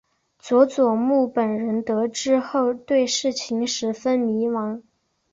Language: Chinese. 佐佐木本人得知后对事情十分迷惘。